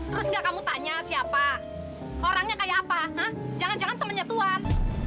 terus gak kamu tanya siapa orangnya kayak apa nah jangan jangan temennya tuhan